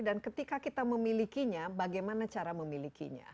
dan ketika kita memilikinya bagaimana cara memilikinya